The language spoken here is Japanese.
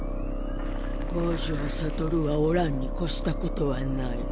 五条悟はおらんに越したことはない。